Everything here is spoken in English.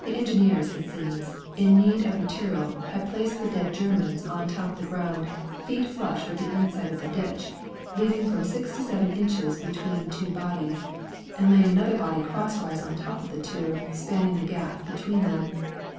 The engineers, it seems, in need of material, had placed the dead Germans on top of the ground, feet flush with the inside of the ditch, leaving from six to seven inches between two bodies, and laying another body cross wise on top of the two, spanning the gap between them.